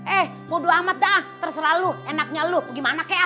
eh bodo amat dah terserah lo enaknya lo gimana kayak